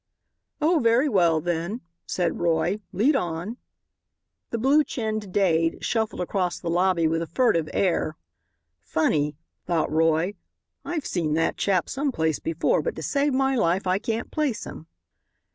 "Oh, very well, then," said Roy, "lead on." The blue chinned Dade shuffled across the lobby with a furtive air. "Funny," thought Roy. "I've seen that chap some place before, but to save my life I can't place him."